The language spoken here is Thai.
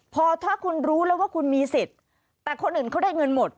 พอถ้าคุณรู้แล้วว่าคุณมีสิทธิ์แต่คนอื่นเขาได้เงินหมด